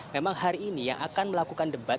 memang hari ini yang akan melakukan debat